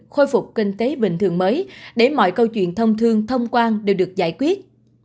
khôi phục kinh tế bình thường mới để mọi câu chuyện thông thương thông quan đều được giải quyết